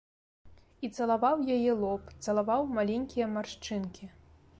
І цалаваў яе лоб, цалаваў маленькія маршчынкі.